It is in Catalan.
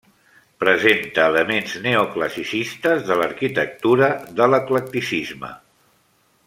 Presenta elements neoclassicistes de l'arquitectura de l'eclecticisme.